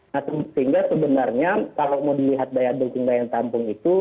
nah sehingga sebenarnya kalau mau dilihat daya dukung dan daya tampung itu